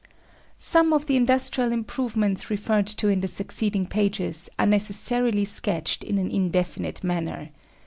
Some of the industrial improvements referred to in the succeeding pages are necessarily sketched in an indefinite manner.